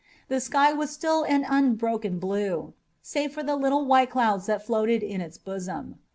The sky was still an unbroken blue, save for the little white clouds that floated in its bosom.